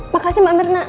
makasih mbak mirna